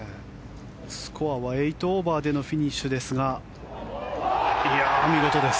スコアは８オーバーでのフィニッシュですが。